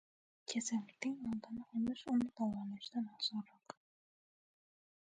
• Kasallikning oldini olish uni davolashdan osonroq.